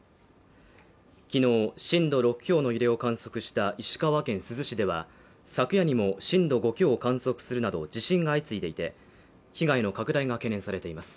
昨日、震度６強の揺れを観測した石川県珠洲市では昨夜にも震度５強を観測するなど地震が相次いでいて、被害の拡大が懸念されています。